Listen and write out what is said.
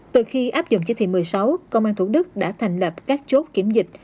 từ khi áp dụng chỉ thị một mươi sáu công an thủ đức đã thành lập các chốt kiểm dịch